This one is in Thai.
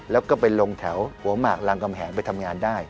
แล้วก็ไปลงแถวหัวหมากรามกำแหงไปทำงานได้